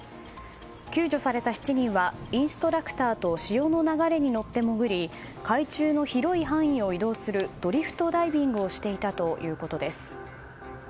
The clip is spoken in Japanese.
救助された７人はインストラクターと潮の流れに乗って潜り海中の広い範囲を移動するドリフトダイビングをしていたということです。